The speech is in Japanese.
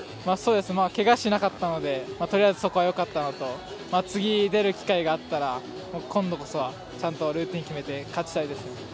けがしなかったのでとりあえず、そこはよかったのと次、出る機会があったら今度こそはちゃんとルーティンを決めて勝ちたいです。